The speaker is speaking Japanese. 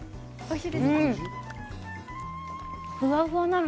おいしい。